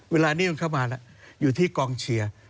เวลานี้เข้ามาอยู่ที่กองเชียร์